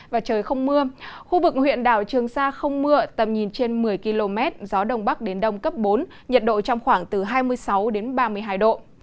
và trời không mưa khu vực huyện đảo trường sa không mưa tầm nhìn trên một mươi km gió đông bắc đến đông cấp bốn nhiệt độ trong khoảng từ hai mươi sáu đến ba mươi hai độ